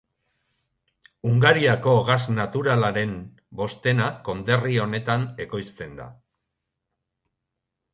Hungariako gas naturalaren bostena konderri honetan ekoizten da.